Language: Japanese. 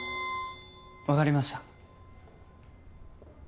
わかりました。